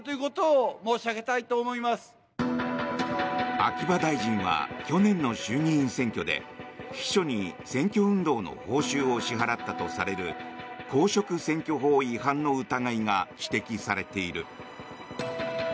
秋葉大臣は去年の衆議院選挙で秘書に選挙運動の報酬を支払ったとされる公職選挙法違反の疑いが指摘されている。